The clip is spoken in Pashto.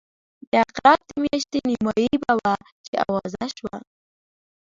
د عقرب د میاشتې نیمایي به وه چې آوازه شوه.